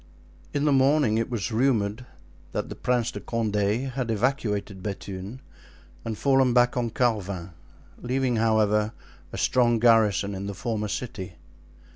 In the morning it was rumored that Prince de Condé had evacuated Bethune and fallen back on Carvin, leaving, however, a strong garrison in the former city.